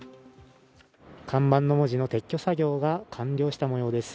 看板の文字の撤去作業が完了したもようです。